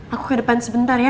aku ke depan sebentar ya